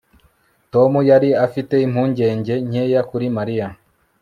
Tom yari afite impungenge nkeya kuri Mariya